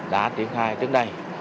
đã triển khai trên đây